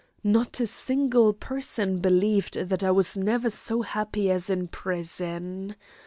Not a single person believed that I was never so happy as in prison.